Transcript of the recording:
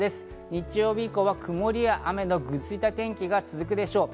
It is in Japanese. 日曜日以降は曇りや雨のぐずついた天気が続くでしょう。